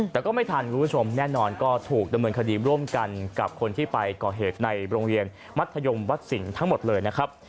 แต่ก็ไม่ทันคุณผู้ชมแน่นอนก็ถูกดำเนินคดีร่วมกันกับคนที่ไปก่อเหตุในโรงเรียนมัธยมวัดสิงห์ทั้งหมดเลยนะครับ